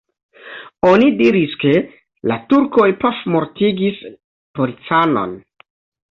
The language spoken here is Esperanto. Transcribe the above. Oni diris, ke la turkoj pafmortigis policanon.